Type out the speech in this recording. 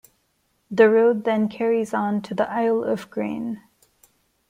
The road then carries on to the Isle of Grain.